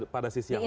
pada sisi yang lain